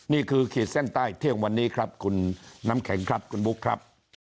ขีดเส้นใต้เที่ยงวันนี้ครับคุณน้ำแข็งครับคุณบุ๊คครับ